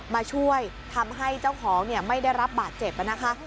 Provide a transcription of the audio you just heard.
มาช่วยทำให้เจ้าของไม่ได้รับบาดเจ็บนะคะ